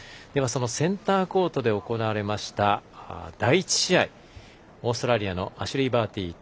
センターコートで行われました第１試合、オーストラリアのアシュリー・バーティ対